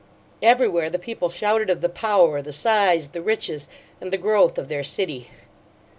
Everywhere the people shouted of the power, the size, the riches, and the growth of their city.